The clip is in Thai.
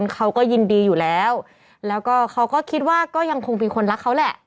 เขาก็ยินดีอยู่แล้วแล้วก็เขาก็คิดว่าก็ยังคงเป็นคนรักเขาแหละ